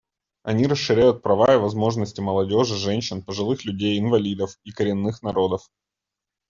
Они расширяют права и возможности молодежи, женщин, пожилых людей, инвалидов и коренных народов.